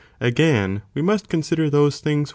*| Again, (we must consider) those things which